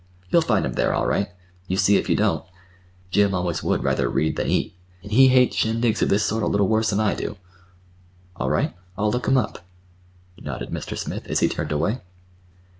You'll find him there all right. You see if you don't. Jim always would rather read than eat, and he hates shindigs of this sort a little worse 'n I do." "All right. I'll look him up," nodded Mr. Smith, as he turned away.